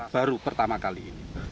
baru pertama kali ini